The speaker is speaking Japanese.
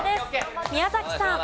宮崎さん。